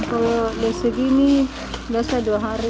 kalau dus segini biasanya dua hari